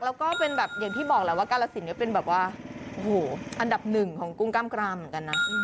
แล้วก็เป็นแบบอย่างที่บอกแหละว่ากาลสินก็เป็นแบบว่าโอ้โหอันดับหนึ่งของกุ้งกล้ามกรามเหมือนกันนะ